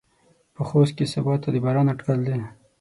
په خوست کې سباته د باران اټکل دى.